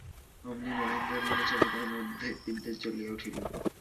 অমনি মহেন্দ্রের মনে চকিতের মধ্যে বিদ্বেষ জ্বলিয়া উঠিল।